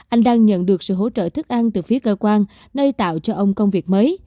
anh đang nhận được sự hỗ trợ thức ăn từ phía cơ quan nơi tạo cho ông công việc mới